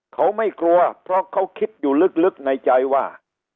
เขาไม่กลัวเพราะเขาคิดอยู่ลึกในใจว่า